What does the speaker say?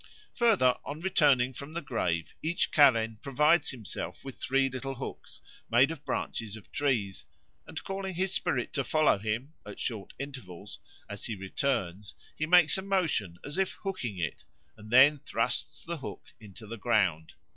Further, on returning from the grave each Karen provides himself with three little hooks made of branches of trees, and calling his spirit to follow him, at short intervals, as he returns, he makes a motion as if hooking it, and then thrusts the hook into the ground.